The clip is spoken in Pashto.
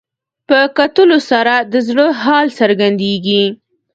په کتلو سره د زړه حال څرګندېږي